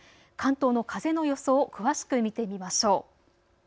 関東の風の予想、詳しく見てみましょう。